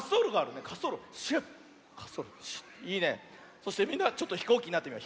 そしてみんなちょっとひこうきになってみよう。